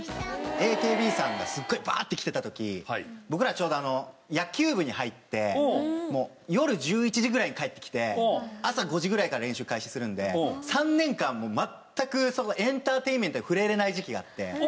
ＡＫＢさんがすごいバーッてきてた時僕らちょうどあの野球部に入ってもう夜１１時ぐらいに帰ってきて朝５時ぐらいから練習開始するんで３年間もう全くエンターテインメントに触れられない時期があって。